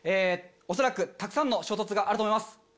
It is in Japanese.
恐らくたくさんの衝突があると思います。